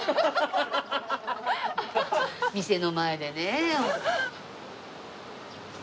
店の前でねえ。